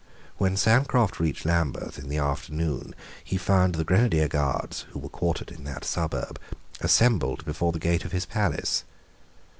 When Sancroft reached Lambeth, in the afternoon, he found the grenadier guards, who were quartered in that suburb, assembled before the gate of his palace.